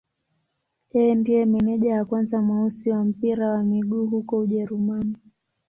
Yeye ndiye meneja wa kwanza mweusi wa mpira wa miguu huko Ujerumani.